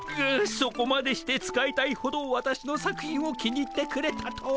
そこまでして使いたいほどわたしの作品を気に入ってくれたとは。